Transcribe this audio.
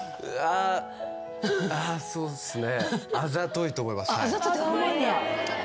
そうっすね。